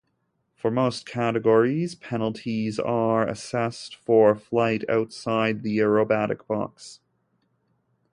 For most categories, penalties are assessed for flight outside the aerobatic box.